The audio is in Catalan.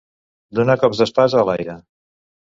Donar cops d'espasa a l'aire.